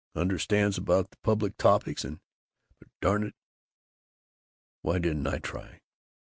Understands about Public Topics and But, darn it, why didn't I try?...